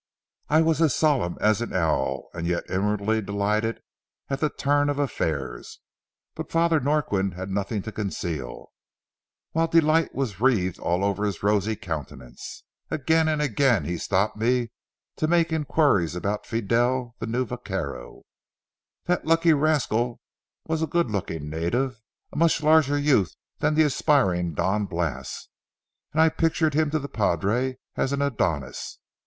I was as solemn as an owl, yet inwardly delighted at the turn of affairs. But Father Norquin had nothing to conceal, while delight was wreathed all over his rosy countenance. Again and again he stopped me to make inquiries about Fidel, the new vaquero. That lucky rascal was a good looking native, a much larger youth than the aspiring Don Blas, and I pictured him to the padre as an Adonis.